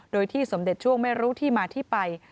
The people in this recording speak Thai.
โดยที่สมเด็จช่วงไม่รู้ที่มาที่ไป